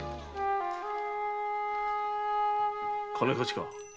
金貸しか？